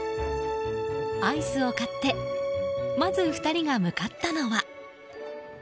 アイスを買ってまず２人が向かったのは。